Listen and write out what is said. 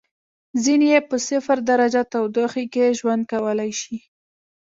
ځینې یې په صفر درجه تودوخې کې ژوند کولای شي.